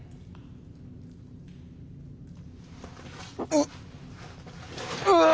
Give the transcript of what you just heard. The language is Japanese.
うっうぅ！